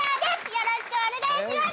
よろしくお願いします。